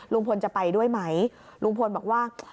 ลุงพลจะไปด้วยไหมลุงพลบอกว่า